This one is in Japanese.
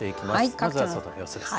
まずは外の様子ですね。